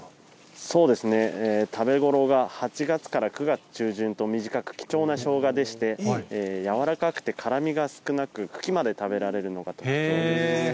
そうですね、食べ頃が８月から９月中旬と短く、貴重なショウガでして、柔らかくて、辛みが少なく、茎まで食べられるのが特徴です。